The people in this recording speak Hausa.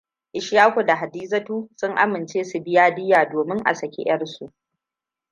Ishaku da Hadizatu sun amince su biya diyya domin a saki ʻyarsu.